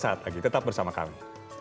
saat lagi tetap bersama kami